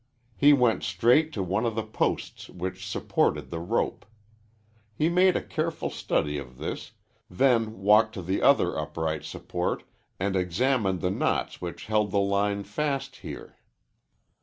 He went straight to one of the posts which supported the rope. He made a careful study of this, then walked to the other upright support and examined the knots which held the line fast here.